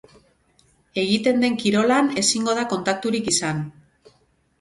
Egiten den kirolan ezingo da kontakturik izan.